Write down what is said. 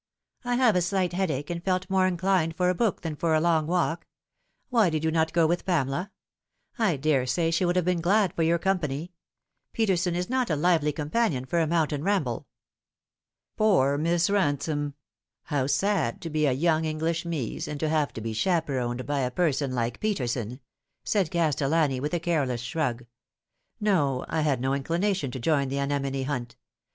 " I have a slight headache, and felt more inclined for a book than for a long walk. Why did you not go with Pamela ? I daresay she would have been glad of your company. Peterson is not a lively companion for a mountain ramble." " Poor Miss Bansome ! How sad to be a young English 218 The Fatal Three. Mees, and to have to be chaperoned by a person like Peterson ;" said Castellani, with a careless shrug. " No, I had no inclination to join in the anemone hunt.